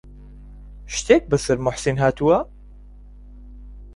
شتێک بەسەر موحسین هاتووە؟